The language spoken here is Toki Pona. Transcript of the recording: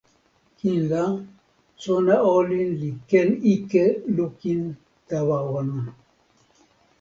kin la, sona olin li ken ike lukin tawa ona.